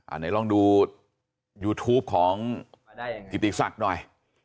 ไหนลองดูยูทูปของกิติศักดิ์หน่อย